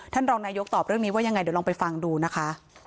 รองนายกตอบเรื่องนี้ว่ายังไงเดี๋ยวลองไปฟังดูนะคะ